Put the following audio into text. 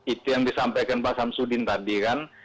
itu yang disampaikan pak samsudin tadi kan